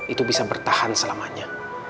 itu bisa bertahan selamanya